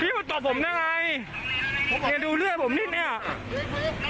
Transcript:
พี่มาตอบผมได้ไงอย่าดูเลือดผมนิดเนี่ย